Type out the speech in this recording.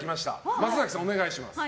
松崎さん、お願いします。